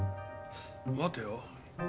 待てよ。